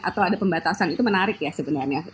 atau ada pembatasan itu menarik ya sebenarnya